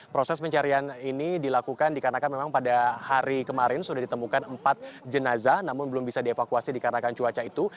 proses pencarian ini dilakukan dikarenakan memang pada hari kemarin sudah ditemukan empat jenazah namun belum bisa dievakuasi dikarenakan cuaca itu